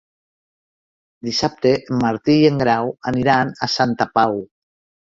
Dissabte en Martí i en Grau aniran a Santa Pau.